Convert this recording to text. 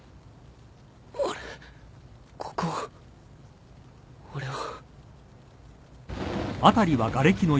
あれここは？俺は。